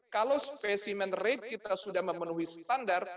kalau specimen rate kita sudah memenuhi standar